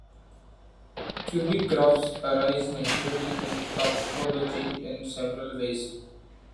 Cubic graphs arise naturally in topology in several ways.